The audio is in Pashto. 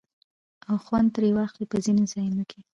او خوند ترې واخلي په ځينو ځايو کې